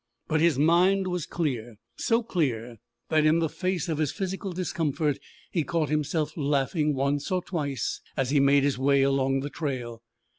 But his mind was clear so clear that in the face of his physical discomfort he caught himself laughing once or twice as he made his way along the trail.